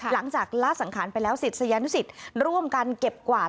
หลังจากละสังขารไปแล้วศิษยานุสิตร่วมกันเก็บกวาด